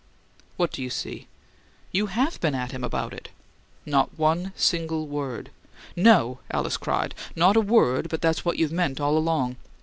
"What do you see?" "You HAVE been at him about it!" "Not one single word!" "No!" Alice cried. "Not a WORD, but that's what you've meant all along!